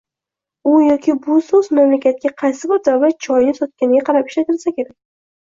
U yoki bu so’z, mamlakatga qaysi bir davlat choyni sotganiga qarab ishlatilsa kerak.